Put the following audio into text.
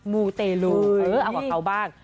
มูเตรลุเออเอากว่าเขาบ้าง